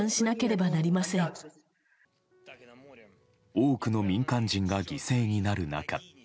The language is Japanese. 多くの民間人が犠牲になる中。